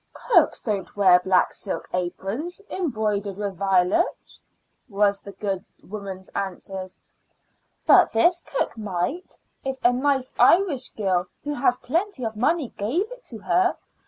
"Cooks don't wear black silk aprons embroidered with violets," was the good woman's answer. "But this cook might, if a nice Irish girl, who has plenty of money, gave it to her.